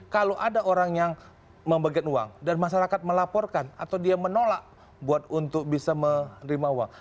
kalau ada orang yang membagikan uang dan masyarakat melaporkan atau dia menolak untuk bisa menerima uang